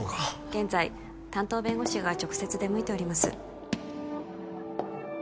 現在担当弁護士が直接出向いております